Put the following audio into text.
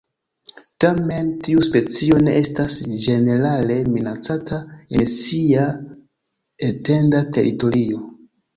Tamen, tiu specio ne estas ĝenerale minacata en sia etenda teritorio.